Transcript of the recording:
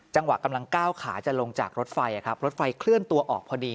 กำลังก้าวขาจะลงจากรถไฟรถไฟเคลื่อนตัวออกพอดี